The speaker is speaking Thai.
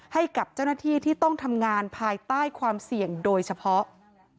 ให้กับเจ้าหน้าที่ที่ต้องทำงานภายใต้ความเสี่ยงโดยเฉพาะ